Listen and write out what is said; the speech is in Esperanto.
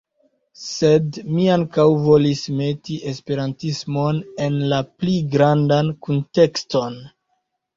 Sed mi ankaŭ volis meti esperantismon en la pli grandan kuntekston.